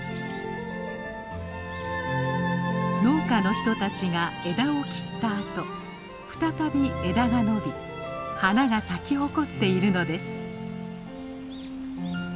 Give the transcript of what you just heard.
農家の人たちが枝を切ったあと再び枝が伸び花が咲き誇っているのです。